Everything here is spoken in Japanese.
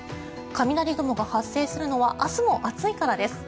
雷雲が発生するのは明日も暑いからです。